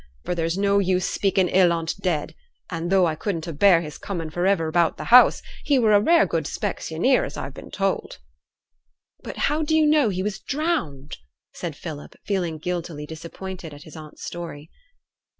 For there's no use speaking ill on t' dead; an' though I couldn't abear his coming for iver about t' house, he were a rare good specksioneer, as I've been told.' 'But how do you know he was drowned?' said Philip, feeling guiltily disappointed at his aunt's story.